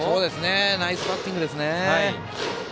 ナイスバッティングですね。